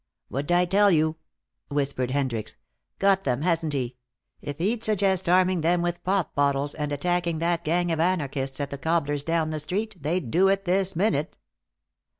"What'd I tell you?" whispered Hendricks. "Got them, hasn't he? If he'd suggest arming them with pop bottles and attacking that gang of anarchists at the cobbler's down the street, they'd do it this minute."